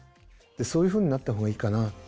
そういうふうになったほうがいいかな。